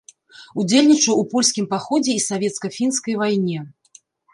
Удзельнічаў у польскім паходзе і савецка-фінскай вайне.